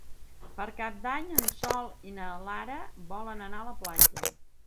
Per Cap d'Any en Sol i na Lara volen anar a la platja.